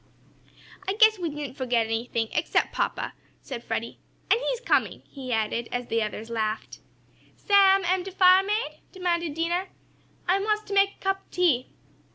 "I guess we didn't forget anything, except papa," said Freddie. "And he's coming," he added, as the others laughed. "Sam, am de fire made?" demanded Dinah. "I wants t' make a cup ob tea."